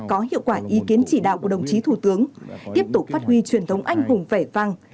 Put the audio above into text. có hiệu quả ý kiến chỉ đạo của đồng chí thủ tướng tiếp tục phát huy truyền thống anh hùng vẻ vang